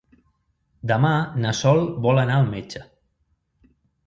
Demà na Sol vol anar al metge.